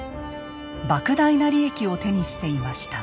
ばく大な利益を手にしていました。